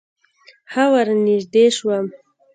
ښه ورنژدې سوم.